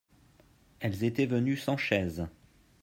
Elles étaient venus sans chaise